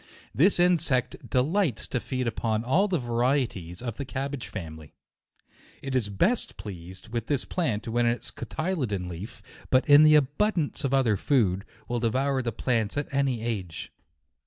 This insect delights to feed upon all the varieties of the cabbage family. It is best pleased with this plant when in its coty ledon leaf; but in the absence of other food, will devour the plant at any age.